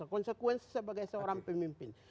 konsekuensi sebagai seorang pemimpin